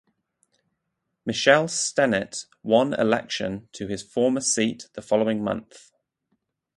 Michelle Stennett won election to his former seat the following month.